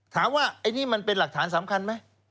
ถามว่าอันนี้มันเป็นหลักฐานสำคัญไหม